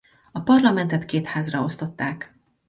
A parlamentet két házra osztották.